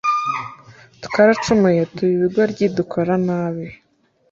Twaracumuye tuba ibigoryi dukora nabi